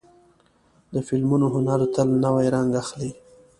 د فلمونو هنر تل نوی رنګ اخلي.